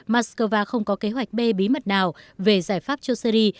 moscow không có kế hoạch bê bí mật nào về giải pháp cho syri